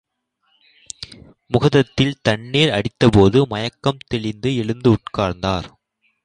முகதத்தில் தண்ணீர் அடித்தபோது, மயக்கம் தெளிந்து, எழுந்து உட்கார்ந்தார்.